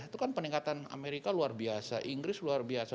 itu kan peningkatan amerika luar biasa inggris luar biasa